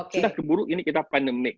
kita keburu ini kita pandemik